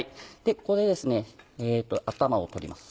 ここで頭を取ります。